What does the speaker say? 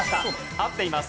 合っています。